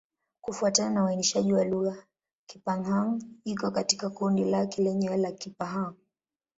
Kufuatana na uainishaji wa lugha, Kipa-Hng iko katika kundi lake lenyewe la Kipa-Hng.